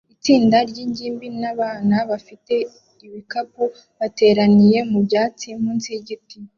Itsinda ryingimbi nabana bafite ibikapu bateranira mubyatsi munsi yigiti